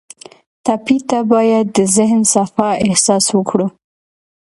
ټپي ته باید د ذهن صفا احساس ورکړو.